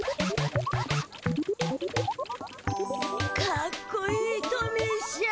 かっこいいトミーしゃん。